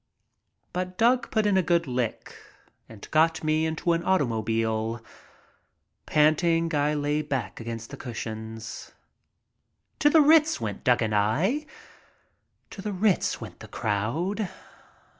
But Doug put in a good lick and got me into an auto mobile. Panting, I lay back against the cushions. To the Ritz went Doug and I. To the Ritz went the crowd.